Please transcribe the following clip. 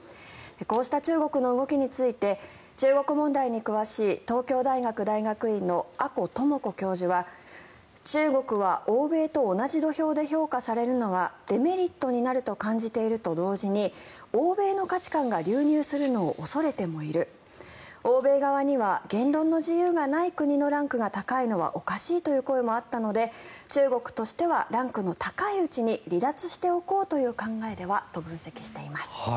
こうした中国の動きについて中国問題に詳しい東京大学大学院の阿古智子教授は中国は欧米と同じ土俵で評価されるのはデメリットになると感じていると同時に欧米の価値観が流入するのを恐れてもいる欧米側には言論の自由がない国のランクが高いのはおかしいという声もあったので中国としてはランクの高いうちに離脱しておこうという考えではと分析しています。